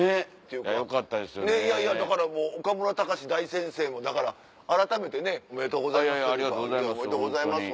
いやいやだからもう岡村隆史大先生もだからあらためてねおめでとうございます。